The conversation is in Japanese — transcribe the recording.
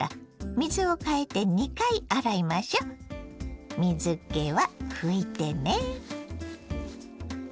水けは拭いてね。